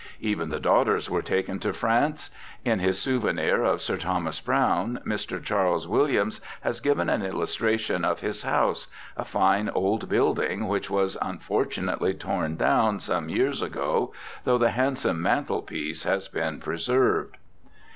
Even the daughters were taken to France. In his souvenir of Sir Thomas Browne, Mr. Charles Williams has given an illustration of his house, a fine old building which was unfortunately torn down some years ago, though the handsome mantelpiece has been preserved.